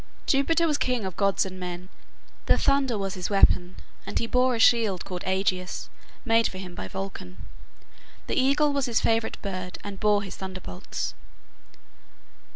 Jupiter was king of gods and men. The thunder was his weapon, and he bore a shield called Aegis, made for him by Vulcan. The eagle was his favorite bird, and bore his thunderbolts.